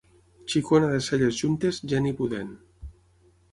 Xicona de celles juntes, geni pudent.